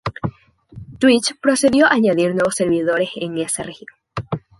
Twitch procedió a añadir nuevos servidores en esa región.